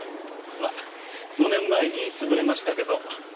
まあ５年前に潰れましたけど。